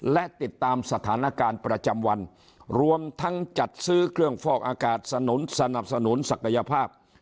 และติดตามสถานการณ์ประจำวันรวมทั้งจัดซื้อเครื่องฟอกอากาศสนุนสนับสนุนศักยภาพ